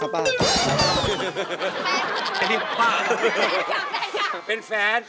เป็นแฟน